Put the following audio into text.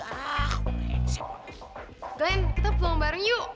glenn kita peluang bareng yuk